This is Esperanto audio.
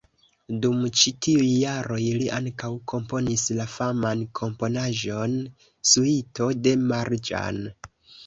Dum ĉi tiuj jaroj li ankaŭ komponis la faman komponaĵon "Suito de Marĝan.